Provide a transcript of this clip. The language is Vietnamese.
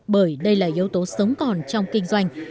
bởi đây là yếu tố sống còn trong kinh doanh